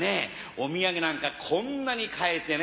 お土産なんかこんなに買えてね。